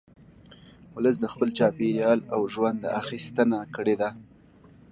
ولس د خپل چاپېریال او ژونده اخیستنه کړې ده